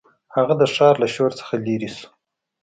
هغه د ښار له شور څخه لیرې شو.